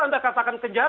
anda katakan penjahat